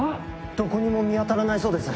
・どこにも見当たらないそうです